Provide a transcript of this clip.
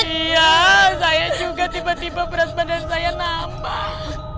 iya saya juga tiba tiba beras badan saya nambah